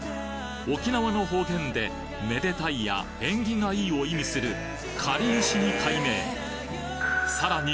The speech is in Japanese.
沖縄の方言で「めでたい」や「縁起が良い」を意味するかりゆしに改名さらに